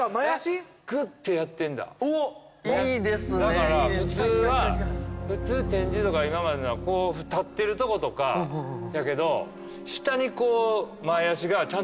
だから普通は普通展示とか今までのは立ってるとことかやけど下にこう。